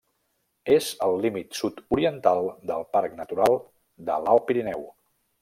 És al límit sud-oriental del Parc Natural de l'Alt Pirineu.